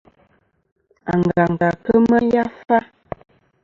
Angantɨ à kema yafa.